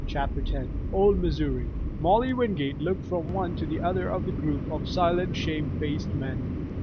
CHAPTER X OLE MISSOURY Molly Wingate looked from one to the other of the group of silent, shamefaced men.